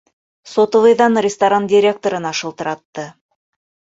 Сотовыйҙан ресторан директорына шылтыратты: